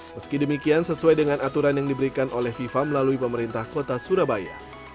meski demikian sesuai dengan aturan yang diberikan oleh fifa melalui pemerintah kota surabaya